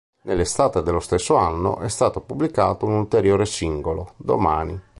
Nell'estate dello stesso anno è stato pubblicato un ulteriore singolo, "Domani".